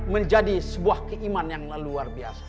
menjadi sebuah keiman yang luar biasa